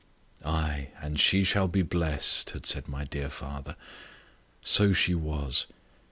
"Ay, and she shall be blessed," had said my dear father. So she was.